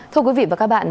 thưa quý vị và các bạn